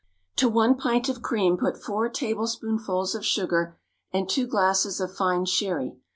_ To one pint of cream put four tablespoonfuls of sugar and two glasses of fine sherry.